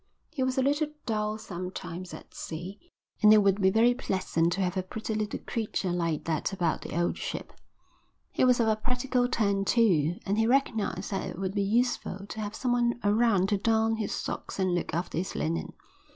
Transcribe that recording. He was a little dull sometimes at sea and it would be very pleasant to have a pretty little creature like that about the old ship. He was of a practical turn too, and he recognised that it would be useful to have someone around to darn his socks and look after his linen.